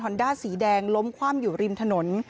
ด้าสีแดงล้มคว่ำอยู่ริมถนน